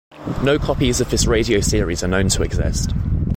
No copies of this radio series are known to exist.